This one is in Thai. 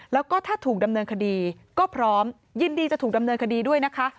แล้วก็ถ้าถูกดำเนินคดีก็พร้อมยินดีจะถูกดำเนินคดีด้วยนะคะ